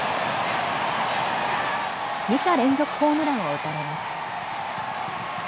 ２者連続ホームランを打たれます。